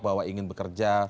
bahwa ingin bekerja